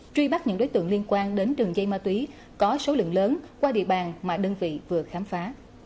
truy bắt những đối tượng liên quan đến đường dây ma túy có số lượng lớn qua địa bàn mà đơn vị vừa khám phá